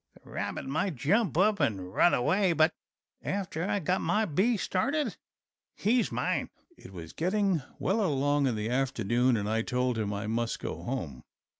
The rabbit might jump up and run away, but after I get my bee started, he's mine." It was getting well along in the afternoon and I told him I must go home.